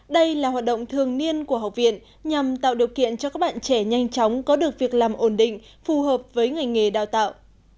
đây là hoạt động thường niên của học viện nhằm tạo điều kiện cho các bạn trẻ nhanh chóng có được việc làm ổn định phù hợp với ngành nghề đào tạo